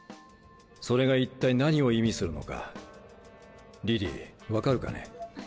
それが一体何を意味するのかリリー分かるかね？